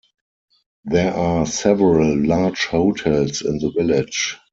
There are several large hotels in the village.